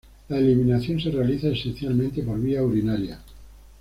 La eliminación se realiza esencialmente por vía urinaria.